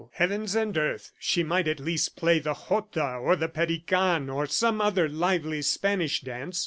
"Heavens and earth! She might at least play the Jota or the Perican, or some other lively Spanish dance!"